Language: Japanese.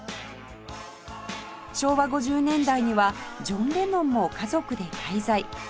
昭和５０年代にはジョン・レノンも家族で滞在